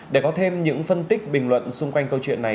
để có thêm những phân tích bình luận xung quanh câu chuyện này